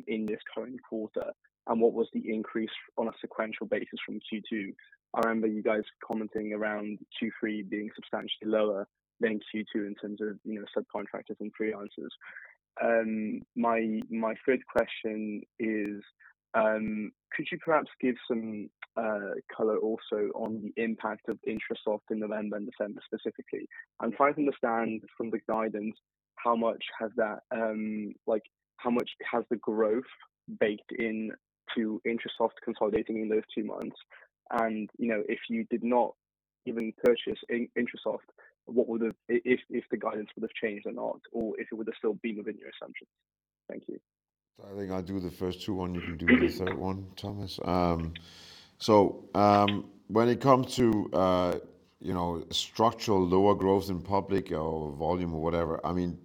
in this current quarter, and what was the increase on a sequential basis from Q2. I remember you guys commenting around Q3 being substantially lower than Q2 in terms of, you know, subcontractors and freelancers. My third question is, could you perhaps give some color also on the impact of Intrasoft in November and December specifically? I'm trying to understand from the guidance how much has that, like how much has the growth baked into Intrasoft consolidating in those two months? You know, if you did not even purchase Intrasoft, if the guidance would have changed or not, or if it would have still been within your assumptions. Thank you. I think I'll do the first two. You can do the third one, Thomas. When it comes to you know, structural lower growth in public or volume or whatever, I mean,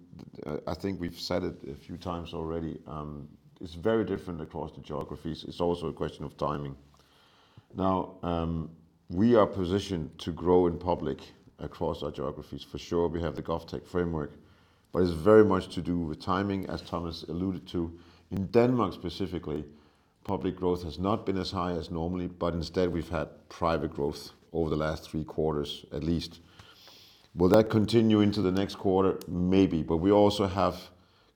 I think we've said it a few times already. It's very different across the geographies. It's also a question of timing. Now, we are positioned to grow in public across our geographies, for sure. We have the GovTech framework, but it's very much to do with timing, as Thomas alluded to. In Denmark specifically, public growth has not been as high as normally, but instead we've had private growth over the last 3 quarters at least. Will that continue into the next quarter? Maybe. We also have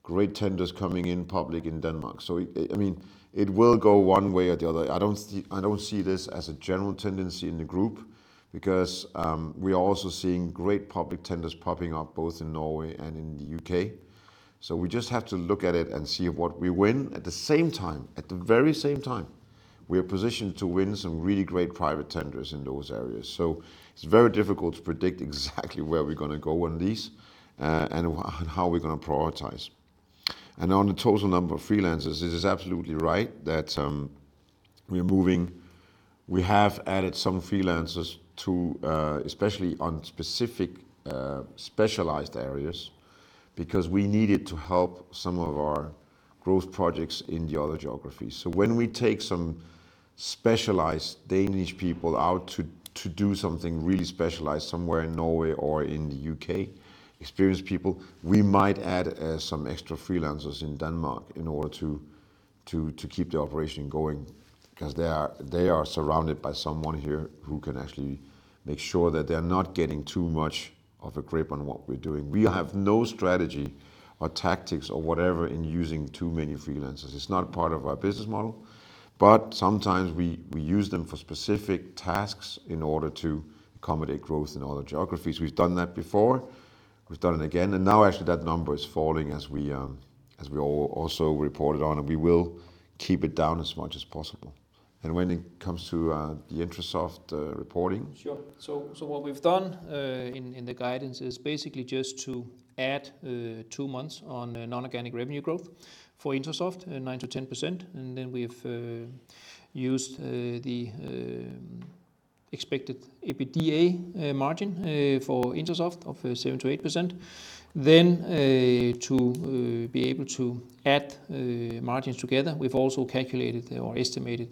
great tenders coming in public in Denmark. I mean, it will go one way or the other. I don't see this as a general tendency in the group because we are also seeing great public tenders popping up both in Norway and in the U.K. We just have to look at it and see what we win. At the same time, we are positioned to win some really great private tenders in those areas. It's very difficult to predict exactly where we're gonna go on these and how we're gonna prioritize. On the total number of freelancers, it is absolutely right that we're moving. We have added some freelancers to especially on specific specialized areas because we needed to help some of our growth projects in the other geographies. When we take some specialized Danish people out to do something really specialized somewhere in Norway or in the U.K., experienced people, we might add some extra freelancers in Denmark in order to keep the operation going. Because they are surrounded by someone here who can actually make sure that they're not getting too much of a grip on what we're doing. We have no strategy or tactics or whatever in using too many freelancers. It's not part of our business model, but sometimes we use them for specific tasks in order to accommodate growth in other geographies. We've done that before. We've done it again, and now actually that number is falling as we also reported on, and we will keep it down as much as possible. When it comes to the Intrasoft reporting. Sure. What we've done in the guidance is basically just to add two months on non-organic revenue growth for Intrasoft, 9%-10%. We've used the expected EBITDA margin for Intrasoft of 7%-8%. To be able to add margins together, we've also calculated or estimated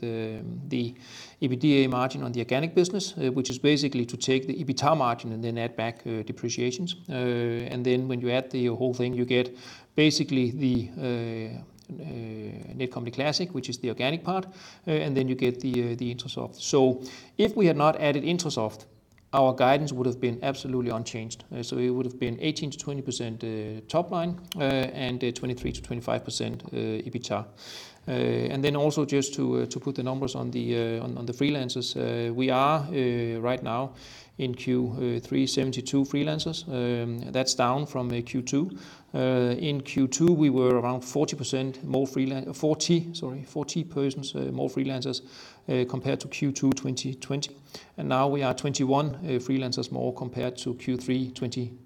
the EBITDA margin on the organic business, which is basically to take the EBITA margin and then add back depreciations. When you add the whole thing, you get basically the Netcompany Classic, which is the organic part, and then you get the Intrasoft. If we had not added Intrasoft, our guidance would have been absolutely unchanged. It would have been 18%-20% top line and 23%-25% EBITA. Then also just to put the numbers on the freelancers. We are right now in Q3 72 freelancers. That's down from Q2. In Q2, we were around 40 persons more freelancers compared to Q2 2020. Now we are 21 freelancers more compared to Q3 2020.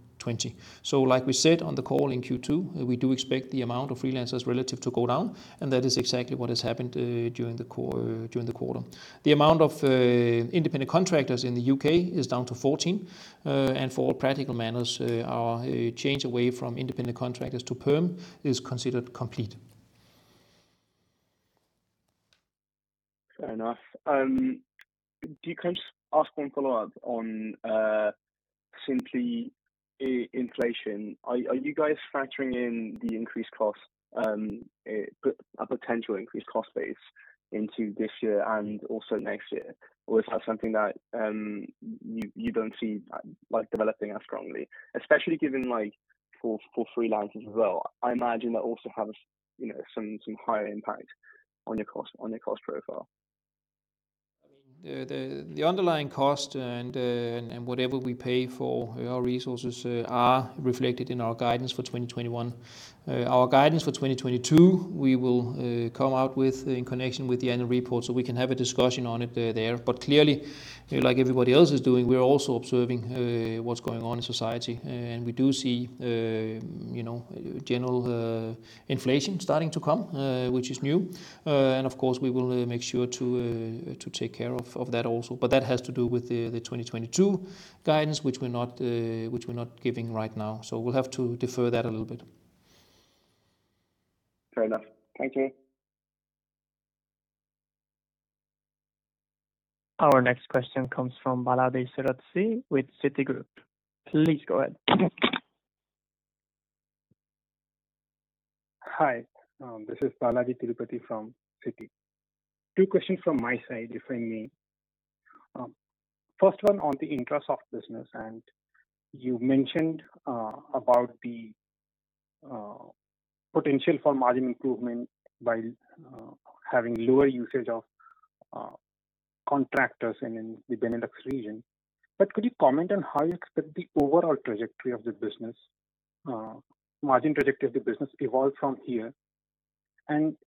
Like we said on the call in Q2, we do expect the amount of freelancers relative to go down, and that is exactly what has happened during the quarter. The amount of independent contractors in the U.K. is down to 14. For all practical matters, our change away from independent contractors to perm is considered complete. Fair enough. Can you just ask one follow-up on simply inflation? Are you guys factoring in the increased cost, a potential increased cost base into this year and also next year? Or is that something that you don't see like developing as strongly? Especially given like for freelancers as well. I imagine that also has you know some higher impact on your cost profile. I mean, the underlying cost and whatever we pay for our resources are reflected in our guidance for 2021. Our guidance for 2022, we will come out with in connection with the annual report, so we can have a discussion on it there. Clearly, like everybody else is doing, we are also observing what's going on in society. We do see, you know, general inflation starting to come, which is new. Of course, we will make sure to take care of that also. That has to do with the 2022 guidance, which we're not giving right now. We'll have to defer that a little bit. Fair enough. Thank you. Our next question comes from Balajee Tirupati with Citigroup. Please go ahead. Hi. This is Balajee Tirupati from Citi. Two questions from my side, if I may. First one on the Intrasoft business, and you mentioned about the potential for margin improvement by having lower usage of contractors in the Benelux region. Could you comment on how you expect the overall trajectory of the business, margin trajectory of the business evolve from here?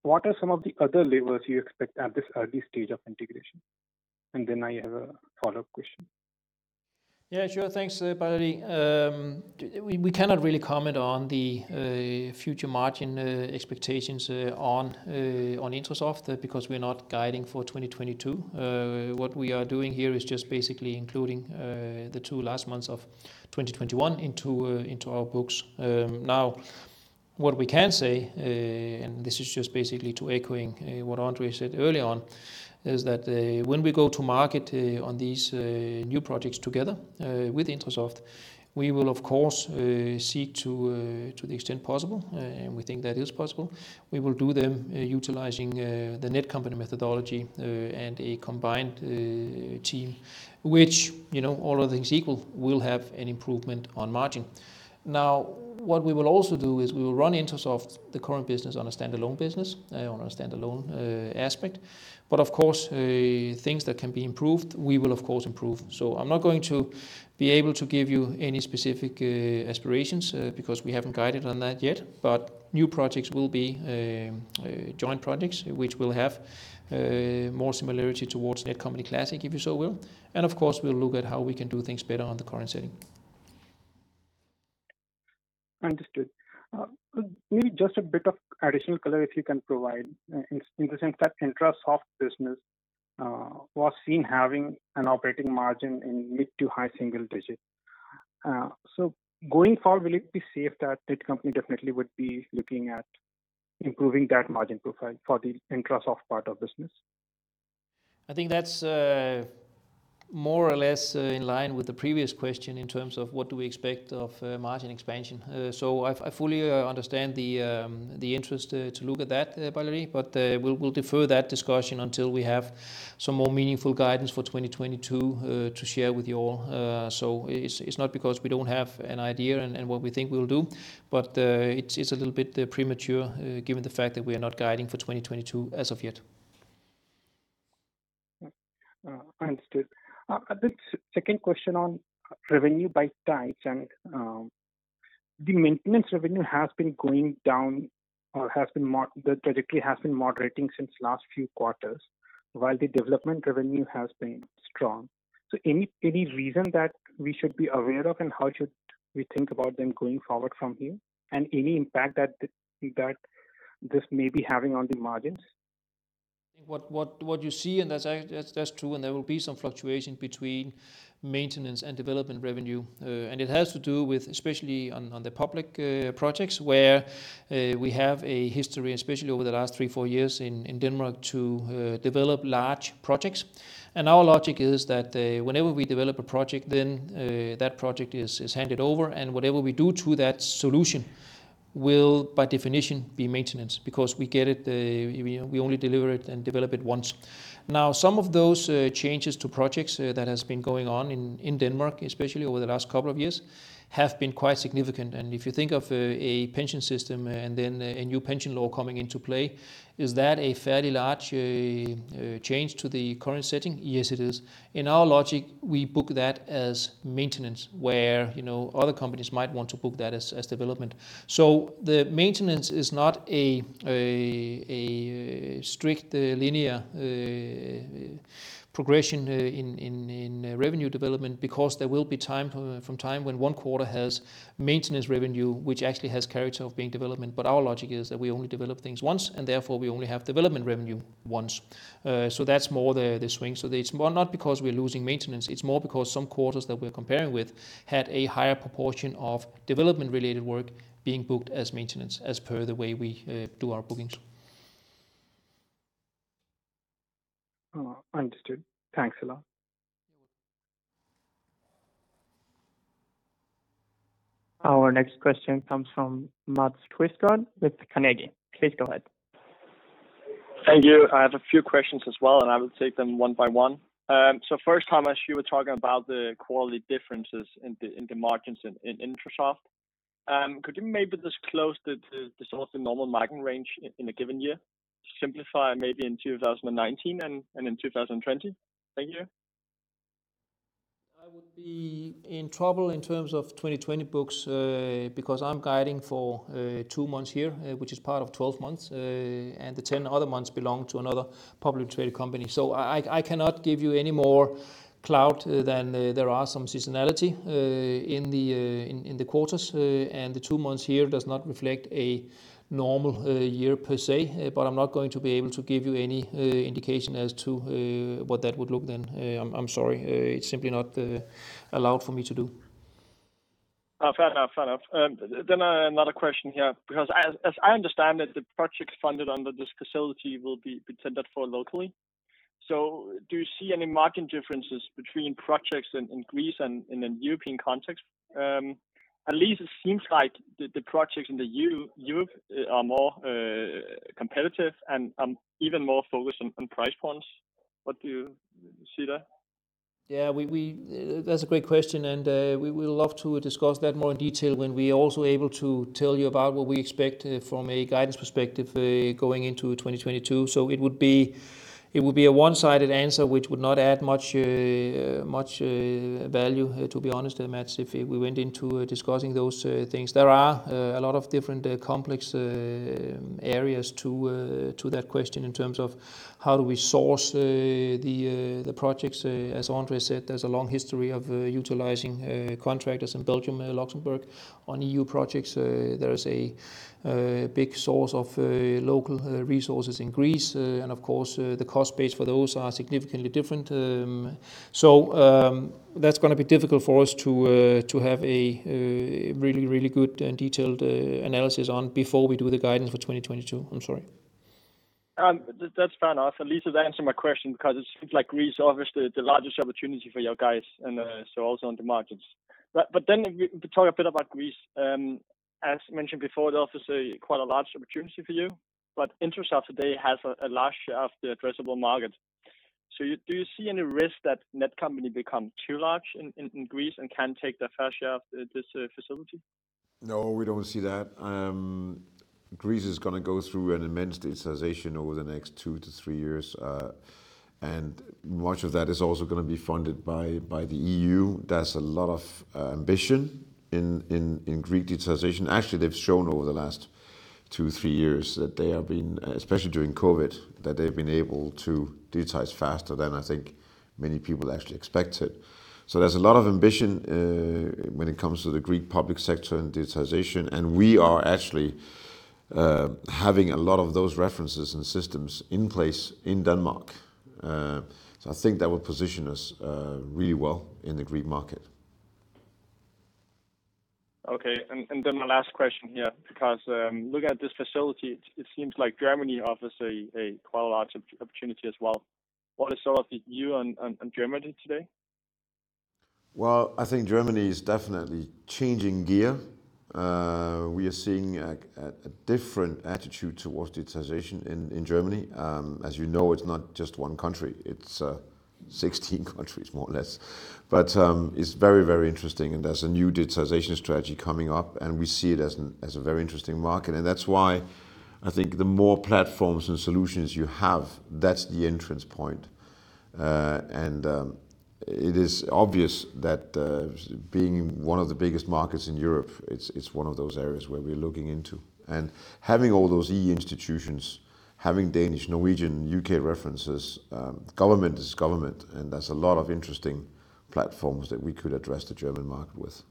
What are some of the other levers you expect at this early stage of integration? I have a follow-up question. Yeah, sure. Thanks, Balajee. We cannot really comment on the future margin expectations on Intrasoft because we're not guiding for 2022. What we are doing here is just basically including the two last months of 2021 into our books. Now what we can say and this is just basically to echo what André said early on, is that when we go to market on these new projects together with Intrasoft, we will of course seek to the extent possible and we think that is possible. We will do them utilizing the Netcompany methodology and a combined team. Which, you know, all other things equal, will have an improvement on margin. Now, what we will also do is we will run Intrasoft, the current business, on a standalone aspect. Of course, things that can be improved, we will of course improve. I'm not going to be able to give you any specific aspirations, because we haven't guided on that yet. New projects will be joint projects which will have more similarity towards Netcompany Classic, if you so will. Of course, we'll look at how we can do things better on the current setting. Understood. Maybe just a bit of additional color if you can provide. In the sense that Intrasoft business was seen having an operating margin in mid- to high-single-digit. Going forward, will it be safe that Netcompany definitely would be looking at improving that margin profile for the Intrasoft part of business? I think that's more or less in line with the previous question in terms of what do we expect of margin expansion. I fully understand the interest to look at that, Balajee, but we'll defer that discussion until we have some more meaningful guidance for 2022 to share with you all. It's not because we don't have an idea and what we think we'll do, but it's a little bit premature given the fact that we are not guiding for 2022 as of yet. Understood. Second question on revenue by type. The maintenance revenue has been going down. The trajectory has been moderating since last few quarters while the development revenue has been strong. Any reason that we should be aware of, and how should we think about them going forward from here? Any impact that this may be having on the margins? What you see, and that's true, and there will be some fluctuation between maintenance and development revenue. It has to do with, especially on the public projects, where we have a history, especially over the last three, four years in Denmark, to develop large projects. Our logic is that, whenever we develop a project, then that project is handed over. Whatever we do to that solution will, by definition, be maintenance. Because we get it, you know, we only deliver it and develop it once. Now, some of those changes to projects that has been going on in Denmark, especially over the last couple of years, have been quite significant. If you think of a pension system and then a new pension law coming into play, is that a fairly large change to the current setting? Yes, it is. In our logic, we book that as maintenance, where you know other companies might want to book that as development. The maintenance is not a strict linear progression in revenue development because there will be times from time to time when one quarter has maintenance revenue which actually has character of being development. But our logic is that we only develop things once, and therefore we only have development revenue once. That's more the swing. It's more not because we're losing maintenance, it's more because some quarters that we're comparing with had a higher proportion of development-related work being booked as maintenance, as per the way we do our bookings. Oh, understood. Thanks a lot. Our next question comes from Mads Quistgaard with Carnegie. Please go ahead. Thank you. I have a few questions as well, and I will take them one by one. First, Thomas, you were talking about the quality differences in the margins in Intrasoft. Could you maybe disclose the sort of normal margin range in a given year? Simplify maybe in 2019 and in 2020. Thank you. I would be in trouble in terms of 2020 books, because I'm guiding for two months here, which is part of 12 months. The 10 other months belong to another publicly traded company. I cannot give you any more clarity than there are some seasonality in the quarters. The two months here does not reflect a normal year per se. I'm not going to be able to give you any indication as to what that would look like then. I'm sorry. It's simply not allowed for me to do. Oh, fair enough. Another question here. Because I understand it, the projects funded under this facility will be tendered for locally. Do you see any margin differences between projects in Greece and in the European context? At least it seems like the projects in the EU are more competitive and even more focused on price points. What do you see there? That's a great question, and we will love to discuss that more in detail when we're also able to tell you about what we expect from a guidance perspective going into 2022. It would be a one-sided answer which would not add much value, to be honest, Mads, if we went into discussing those things. There are a lot of different complex areas to that question in terms of how do we source the projects. As André said, there's a long history of utilizing contractors in Belgium and Luxembourg on EU projects. There is a big source of local resources in Greece. Of course, the cost base for those are significantly different. That's gonna be difficult for us to have a really good and detailed analysis on before we do the guidance for 2022. I'm sorry. That's fair enough. At least it answered my question, because it seems like Greece is obviously the largest opportunity for you guys and so also on the margins. We talk a bit about Greece. As mentioned before, there's obviously quite a large opportunity for you, but Intrasoft today has a large share of the addressable market. Do you see any risk that Netcompany become too large in Greece and can take their fair share of this market? No, we don't see that. Greece is gonna go through an immense digitization over the next 2-3 years. Much of that is also gonna be funded by the EU. There's a lot of ambition in Greek digitization. Actually, they've shown over the last 2-3 years that they have been, especially during COVID, that they've been able to digitize faster than I think many people actually expected. There's a lot of ambition when it comes to the Greek public sector and digitization, and we are actually having a lot of those references and systems in place in Denmark. I think that will position us really well in the Greek market. Okay. My last question here, because looking at this facility, it seems like Germany offers a quite large opportunity as well. What is sort of the view on Germany today? Well, I think Germany is definitely changing gear. We are seeing a different attitude towards digitization in Germany. As you know, it's not just one country. It's 16 countries, more or less. It's very, very interesting, and there's a new digitization strategy coming up, and we see it as a very interesting market. That's why I think the more platforms and solutions you have, that's the entry point. It is obvious that, being one of the biggest markets in Europe, it's one of those areas where we're looking into. Having all those EU institutions, having Danish, Norwegian, U.K. references, government is government, and there's a lot of interesting platforms that we could address the German market with.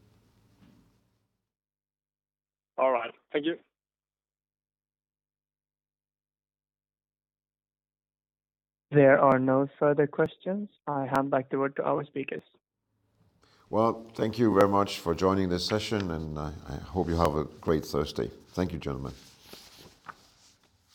All right. Thank you. There are no further questions. I hand back the word to our speakers. Well, thank you very much for joining this session, and I hope you have a great Thursday. Thank you, gentlemen.